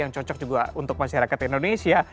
yang cocok juga untuk masyarakat indonesia